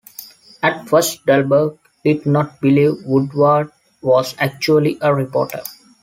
At first, Dahlberg did not believe Woodward was actually a reporter.